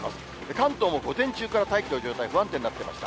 関東も午前中から大気の状態、不安定になってました。